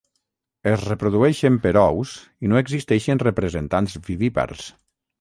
Es reprodueixen per ous i no existeixen representants vivípars.